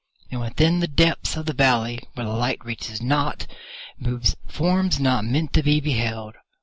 And within the depths of the valley, where the light reaches not, move forms not meant to be beheld.